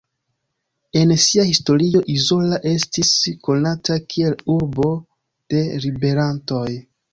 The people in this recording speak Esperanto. En sia historio Izola estis konata kiel urbo de ribelantoj.